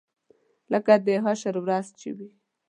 لکه د حشر ورځ چې وي.